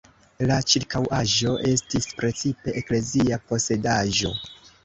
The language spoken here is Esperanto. La ĉirkaŭaĵo estis precipe eklezia posedaĵo.